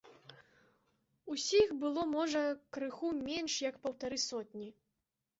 Усіх было, можа, крыху менш як паўтары сотні.